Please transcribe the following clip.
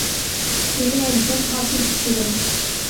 তিনি একজন হাফিজ ছিলেন।